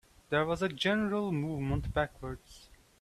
There was a general movement backwards.